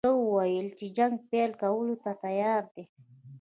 ده وویل چې جنګ پیل کولو ته تیار دی.